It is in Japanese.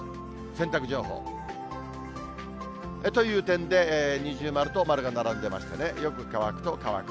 洗濯情報。という点で、二重丸と丸が並んでましてね、よく乾くと乾く。